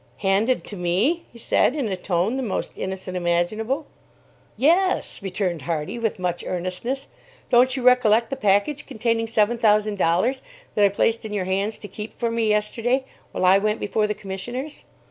"Handed to me?" he said, in a tone the most innocent imaginable. "Yes," returned Hardy, with much earnestness. "Don't you recollect the package containing seven thousand dollars, that I placed in your hands to keep for me, yesterday, while I went before the commissioners?"